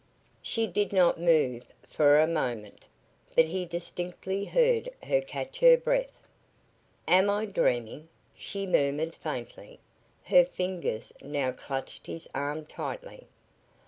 She did not move for a moment, but he distinctly heard her catch her breath. "Am I dreaming?" she murmured, faintly. Her fingers now clutched his arm tightly.